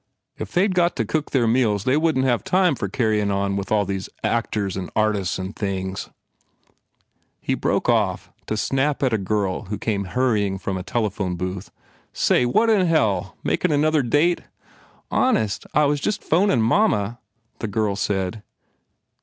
If they d got to cook their meals they wouldn t have time for carryin on with all these artists an actors an things " He broke off to snap at a girl who came hurrying from a telephone booth, "Say, what in hell? Makin another date?" "Honest, I was just phonin mamma," the girl said.